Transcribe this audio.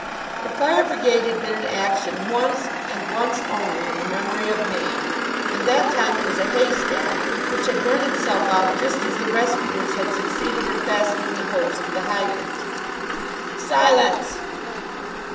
The Fire Brigade had been in action once and once only in the memory of man, and that time it was a haystack which had burnt itself out just as the rescuers had succeeded in fastening the hose to the hydrant. "Silence!"